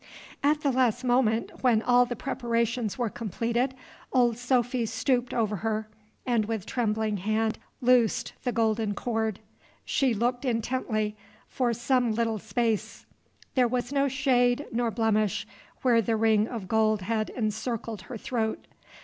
At the last moment, when all the preparations were completed, Old Sophy stooped over her, and, with trembling hand, loosed the golden cord. She looked intently; for some little space: there was no shade nor blemish where the ring of gold had encircled her throat.